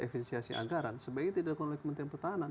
efinsiasi anggaran sebaiknya tidak oleh kementerian pertahanan